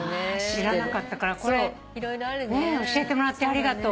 知らなかったからこれ教えてもらってありがとう。